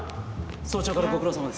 早朝からご苦労さまです。